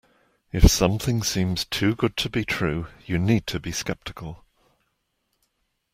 If something seems too good to be true, you need to be sceptical.